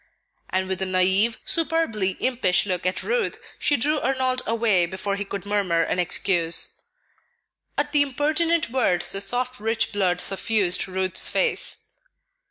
and with a naive, superbly impish look at Ruth, she drew Arnold away before he could murmur an excuse. At the impertinent words the soft, rich blood suffused Ruth's face.